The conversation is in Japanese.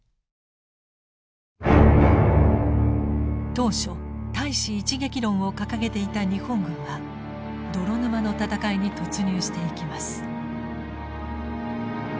当初対支一撃論を掲げていた日本軍は泥沼の戦いに突入していきます。